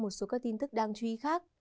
một số các tin tức đáng chú ý khác